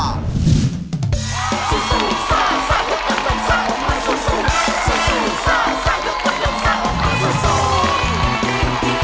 ซูซูซ่าซ่ายกกำลังซ่าออกมาซูซู